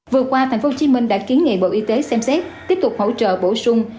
vừa qua tp hcm đã kiến nghị bộ y tế xem xét tiếp tục hỗ trợ bổ sung